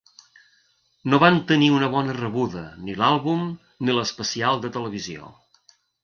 No van tenir una bona rebuda ni l'àlbum ni l'especial de televisió.